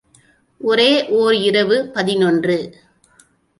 ஒரே ஒர் இரவு பதினொன்று.